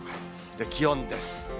気温です。